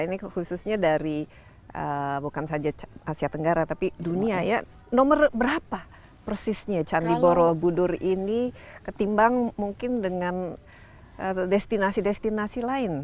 ini khususnya dari bukan saja asia tenggara tapi dunia ya nomor berapa persisnya candi borobudur ini ketimbang mungkin dengan destinasi destinasi lain